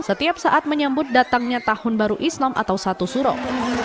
setiap saat menyambut datangnya tahun baru islam atau satu suruh